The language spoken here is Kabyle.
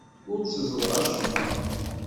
Ur tteẓẓleɣ acemma.